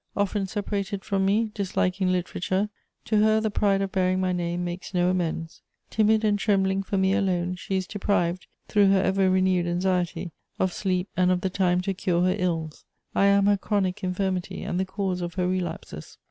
Often separated from me, disliking literature, to her the pride of bearing my name makes no amends. Timid and trembling for me alone, she is deprived, through her ever renewed anxiety, of sleep and of the time to cure her ills: I am her chronic infirmity and the cause of her relapses.